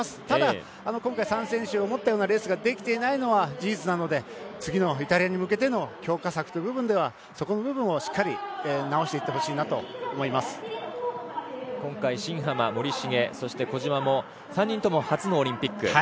ただ、今回３選手思ったようなレースができていないのは事実なので次のイタリアに向けての強化策というのはそこの部分をしっかり直していってほしいなと今回、新濱、森重そして小島も３人とも初のオリンピック。